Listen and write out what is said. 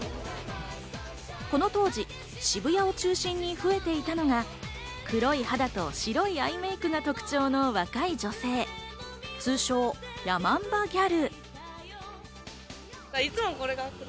この当時、渋谷を中心に増えていたのが黒い肌と白いアイメイクが特徴の若い女性、通称・ヤマンバギャル。